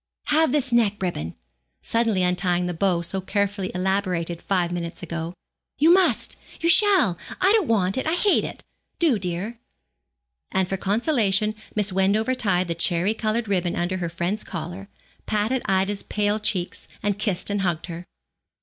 Have this neck ribbon,' suddenly untying the bow so carefully elaborated five minutes ago. 'You must, you shall; I don't want it; I hate it. Do, dear.' And for consolation Miss Wendover tied the cherry coloured ribbon under her friend's collar, patted Ida's pale cheeks, and kissed and hugged her.